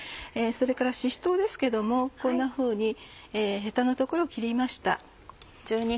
それからしし唐ですけどもこんなふうにヘタの所を切りました。